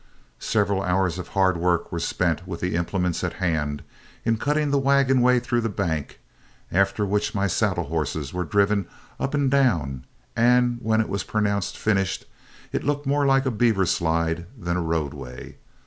Several hours of hard work were spent with the implements at hand in cutting the wagon way through the bank, after which my saddle horses were driven up and down; and when it was pronounced finished, it looked more like a beaver slide than a roadway.